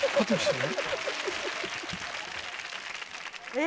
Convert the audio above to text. え！